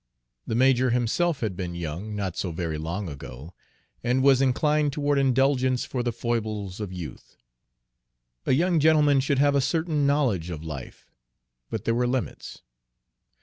The major himself had been young, not so very long ago, and was inclined toward indulgence for the foibles of youth. A young gentleman should have a certain knowledge of life, but there were limits.